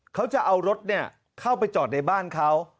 เขาจะเอารถเข้าไปจอดในบ้านเขา